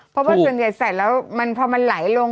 เพราะว่าเก็บสายแล้วนับสายแล้วพอมันไหลลง